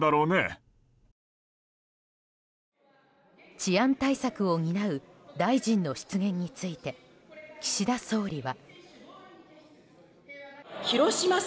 治安対策を担う大臣の失言について、岸田総理は。